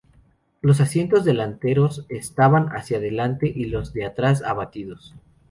Los asientos delanteros estaban hacia adelante y los de atrás abatidos.